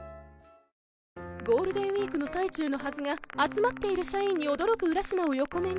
ゴールデンウィークの最中のはずが集まっている社員に驚く浦島を横目に